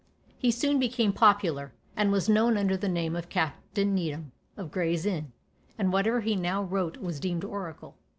He soon became popular, and was known under the name of Captain Needham, of Gray's Inn; and whatever he now wrote was deemed oracular.